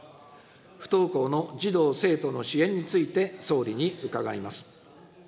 不登校の児童・生徒の支援について、総理に伺います。